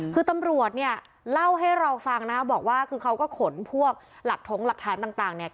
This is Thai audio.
คือตำรวจเนี่ยเล่าให้เราฟังนะครับบอกว่าคือเขาก็ขนพวกหลักถงหลักฐานต่างเนี่ย